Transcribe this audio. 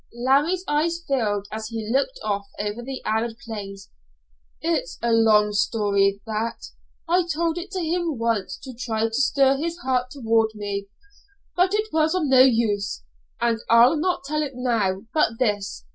Larry's eyes filled as he looked off over the arid plains. "It's a long story that. I told it to him once to try to stir his heart toward me, but it was of no use, and I'll not tell it now but this.